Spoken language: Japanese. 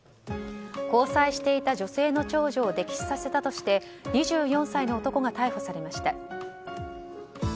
交際していた女性の長女を溺死させたとして２４歳の男が逮捕されました。